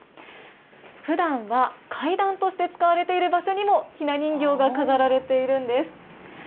ふだんは階段として使われている場所にも、ひな人形が飾られているんです。